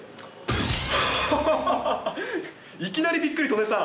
いきなりびっくり、戸根さん。